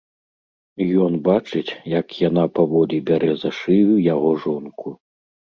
Ён бачыць, як яна паволi бярэ за шыю яго жонку...